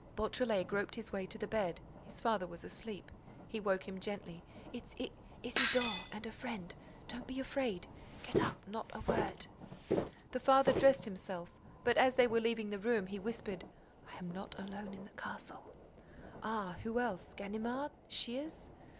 Beautrelet groped his way to the bed. His father was asleep. He woke him gently: "It's I—Isidore—and a friend—don't be afraid—get up—not a word." The father dressed himself, but, as they were leaving the room, he whispered: "I am not alone in the castle—" "Ah? Who else? Ganimard? Shears?"